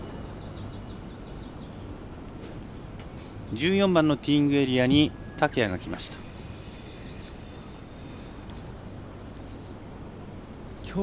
１４番のティーイングエリアに竹谷です。